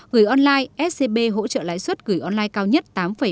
gửi online scb hỗ trợ lãi suất gửi online cao nhất tám ba mươi